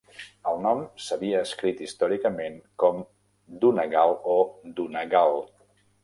El nom s'havia escrit històricament com "Dunnagall" o "Dunagall".